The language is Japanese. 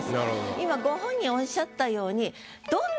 今ご本人おっしゃったように。